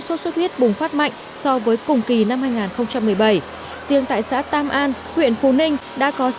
sốt xuất huyết bùng phát mạnh so với cùng kỳ năm hai nghìn một mươi bảy riêng tại xã tam an huyện phú ninh đã có sáu